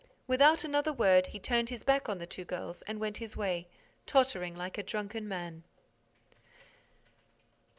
Without another word, he turned his back on the two girls and went his way, tottering like a drunken man.